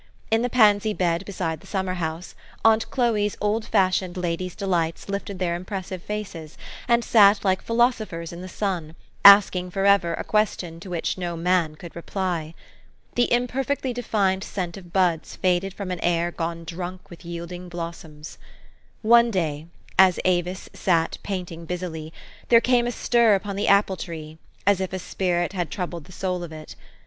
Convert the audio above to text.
In the' pansy bed beside the summer house, aunt Chloe's old fashioned lady's delights lifted their impressive faces, and sat like philosophers in the sun, asking forever a question to which no man could reply. The imperfectly defined scent of bads faded from an ah gone drunk with yielding blossoms. One day, as Avis sat painting busity, there came a stir upon the apple tree, as if a spirit had troubled the soul of it.